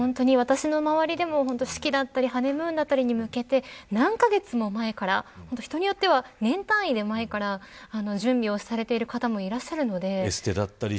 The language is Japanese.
私の周りでも式だったりハネムーンだったりに向けて何カ月も前から、人によっては年単位で前から準備をされている方もいらっしゃるので。